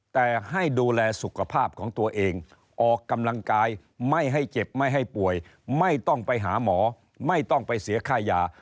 แต่ให้ดูแลสุขภาพของตัวเองออกกำลังกายไม่ให้เจ็บไม่ให้ป่วยไม่ต้องไปหาหมอไม่ต้องไปเสียค่ายา